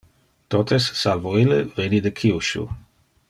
Totes salvo ille veni de Kyushu.